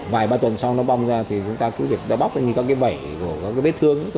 vài ba tuần sau nó bong ra thì chúng ta cứ để bóc như có cái vẩy có cái vết thương